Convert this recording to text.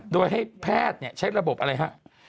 โดยให้แพทย์ใช้ระบบอะไรฮะ